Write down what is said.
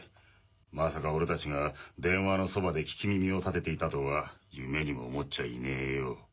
まさか俺たちが電話のそばで聞き耳を立てていたとは夢にも思っちゃいねえよ。